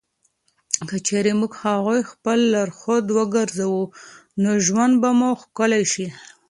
که چېرې موږ هغوی خپل لارښود وګرځوو، نو ژوند به مو ښکلی شي.